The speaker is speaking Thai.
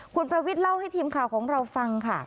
คุณประวิทย์เล่าให้ทีมข่าวของเราฟังค่ะ